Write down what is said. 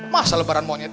masa lebaran monyet